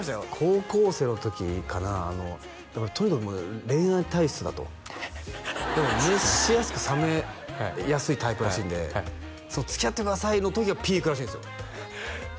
高校生の時かなとにかく恋愛体質だとでも熱しやすく冷めやすいタイプらしいんでつきあってくださいの時がピークらしいんですよ